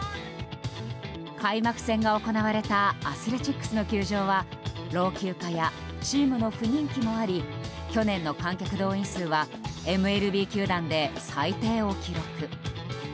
開幕戦が行われたアスレチックスの球場は老朽化やチームの不人気もあり去年の観客動員数はＭＬＢ球団で最低を記録。